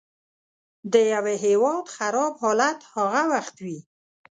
د یوه هیواد خراب حالت هغه وخت وي.